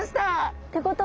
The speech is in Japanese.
ってことは